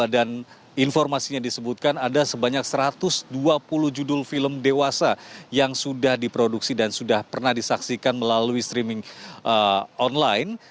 dan informasinya disebutkan ada sebanyak satu ratus dua puluh judul film dewasa yang sudah diproduksi dan sudah pernah disaksikan melalui streaming online